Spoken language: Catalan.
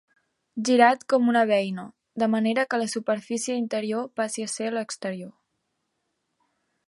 Girat com una beina, de manera que la superfície interior passi a ésser l'exterior.